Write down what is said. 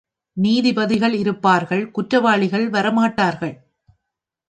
நீதிபதிகள் இருப்பார்கள், குற்றவாளிகள் வரமாட்டார்கள்.